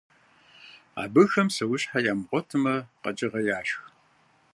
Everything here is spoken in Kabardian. Абыхэм псэущхьэ ямыгъуэтмэ, къэкӏыгъэ яшх.